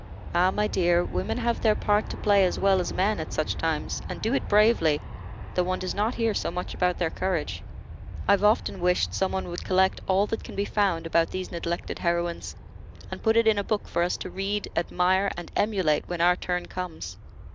"Ah, my dear, women have their part to play as well as men at such times, and do it bravely, though one does not hear so much about their courage. I've often wished some one would collect all that can be found about these neglected heroines, and put it in a book for us to read, admire, and emulate when our turn comes."